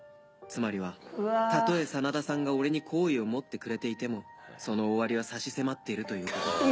つまりはたとえ真田さんが俺に好意を持ってくれていてもその終わりは差し迫っているという事だ